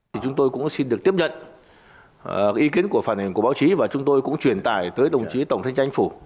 chúng tôi cũng xin được tiếp nhận ý kiến của phản ứng của báo chí và chúng tôi cũng truyền tải tới đồng chí tổng thanh tra chính phủ